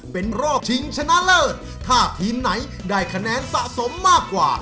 เป็นรอบชิงชนะเลิศถ้าทีมไหนได้คะแนนสะสมมากกว่า